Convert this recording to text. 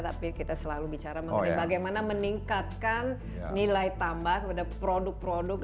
tapi kita selalu bicara mengenai bagaimana meningkatkan nilai tambah kepada produk produk